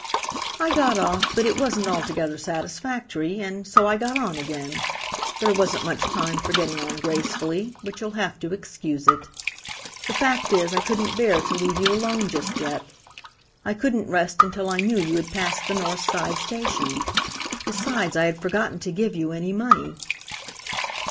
"I got off, but it wasn't altogether satisfactory, and so I got on again. There wasn't much time for getting on gracefully, but you'll have to excuse it. The fact is, I couldn't bear to leave you alone just yet. I couldn't rest until I knew you had passed the North Side Station. Besides, I had forgotten to give you any money."